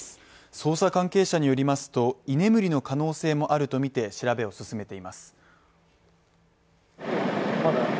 捜査関係者によりますと、居眠りの可能性もあるとみて調べを進めています。